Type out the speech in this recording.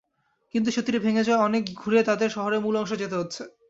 কিন্তু সেতুটি ভেঙে যাওয়ায় অনেক ঘুরে তাদের শহরের মূল অংশে যেতে হচ্ছে।